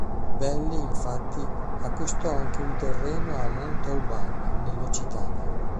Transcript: Belly, infatti, acquistò anche un terreno a Montauban, nell'Occitania.